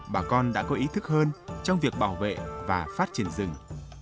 bà con đã có ý thức hơn trong việc bảo vệ và phát triển rừng